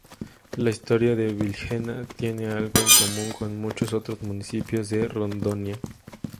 La historia de Vilhena tiene algo en común con muchos otros municipios de Rondonia.